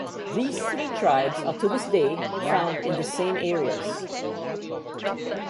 These three tribes are to this day found in the same areas.